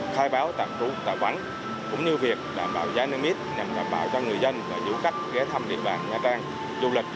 khai báo tạm trú tạm vắng cũng như việc đảm bảo giá nước mít nhằm đảm bảo cho người dân và du khách ghé thăm địa bàn nha trang du lịch